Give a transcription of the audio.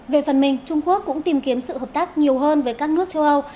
về phần mình trung quốc cũng tìm kiếm sự hợp tác nhiều hơn với các nước châu âu